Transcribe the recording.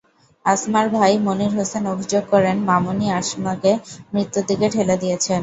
আসমার ভাই মনির হোসেন অভিযোগ করেন, মামুনই আসমাকে মৃত্যুর দিকে ঠেলে দিয়েছেন।